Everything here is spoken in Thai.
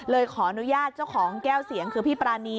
ขออนุญาตเจ้าของแก้วเสียงคือพี่ปรานี